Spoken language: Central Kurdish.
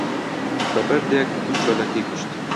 بە بەردێک دوو چۆلەکەی کوشت